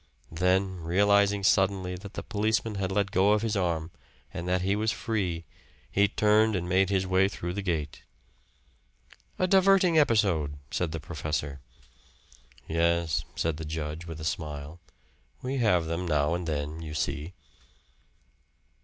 Then, realizing suddenly that the policeman had let go of his arm, and that he was free, he turned and made his way through the gate. "A diverting episode," said the professor. "Yes," said the judge, with a smile. "We have them now and then, you see."